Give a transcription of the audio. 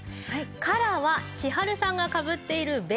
カラーは千春さんがかぶっているベージュ。